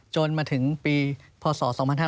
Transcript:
จนมาถึงปีพศ๒๕๕๙